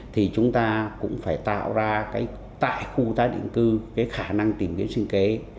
thì chúng ta cũng phải tạo ra tại khu tái định cư khả năng tìm kiếm sinh kế